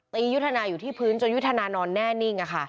ยุทธนาอยู่ที่พื้นจนยุทธนานอนแน่นิ่ง